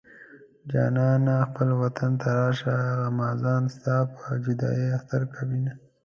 جانانه خپل وطن ته راشه غمازان ستا په جدايۍ اختر کوينه